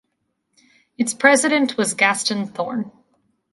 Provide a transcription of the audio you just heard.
Its President was Gaston Thorn.